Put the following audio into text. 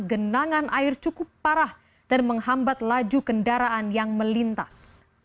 genangan air cukup parah dan menghambat laju kendaraan yang melintas